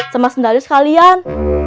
sama sendalis kalian